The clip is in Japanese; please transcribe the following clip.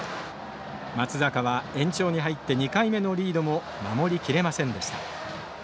松坂は延長に入って２回目のリードも守りきれませんでした。